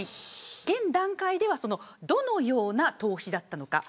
現段階ではどのような投資だったのか。